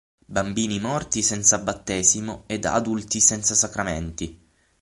Bambini morti senza battesimo ed adulti senza sacramenti.